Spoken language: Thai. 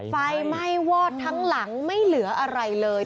ไฟไหม้วอดทั้งหลังไม่เหลืออะไรเลย